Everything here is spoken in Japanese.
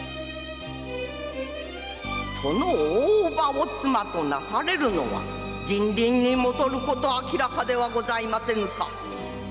〔その大伯母を妻となされるのは人倫にもとること明らかではございませぬか〕